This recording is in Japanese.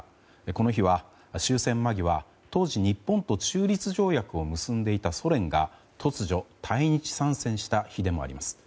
この日は、終戦間際当時、日本と中立条約を結んでいたソ連が突如、対日参戦した日でもあります。